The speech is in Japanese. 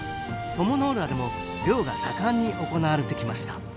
鞆の浦でも漁が盛んに行われてきました。